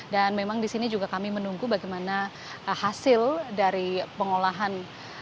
dan memang di sini juga kami menunggu bagaimana hasil dari pengolahan